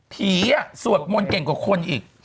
สวดมนต์เก่งกว่าคนอีก